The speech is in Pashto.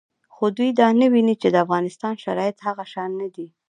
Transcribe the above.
خو دوی دا نه ویني چې د افغانستان شرایط هغه شان نه دي